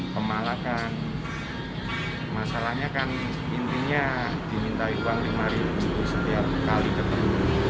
kemalakan masalahnya kan intinya dimintai uang dimariin setiap kali keperluan